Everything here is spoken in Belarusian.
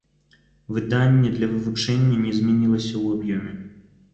Выданне для вывучэння не змянілася ў аб'ёме.